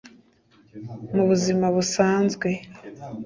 mu buzima busanzwe